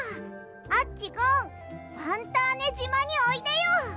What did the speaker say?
アッチゴンファンターネじまにおいでよ！